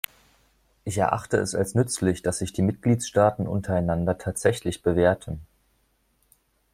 Ich erachte es als nützlich, dass sich die Mitgliedstaaten untereinander tatsächlich bewerten.